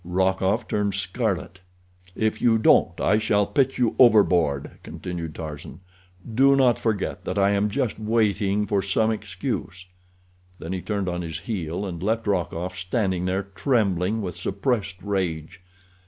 Rokoff turned scarlet. "If you don't I shall pitch you overboard," continued Tarzan. "Do not forget that I am just waiting for some excuse." Then he turned on his heel, and left Rokoff standing there trembling with suppressed rage.